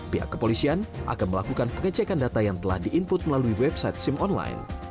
pihak kepolisian akan melakukan pengecekan data yang telah di input melalui website sim online